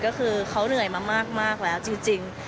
ก็คือเขาเหนื่อยมามากแล้วจริง